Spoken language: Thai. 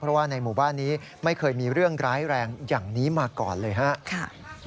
เพราะว่าในหมู่บ้านนี้ไม่เคยมีเรื่องร้ายแรงอย่างนี้มาก่อนเลยครับ